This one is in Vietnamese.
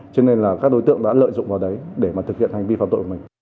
cho nên là các đối tượng đã lợi dụng vào đấy để mà thực hiện hành vi phạm tội của mình